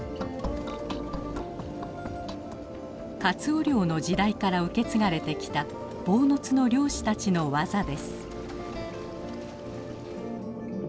かつお漁の時代から受け継がれてきた坊津の漁師たちの技です。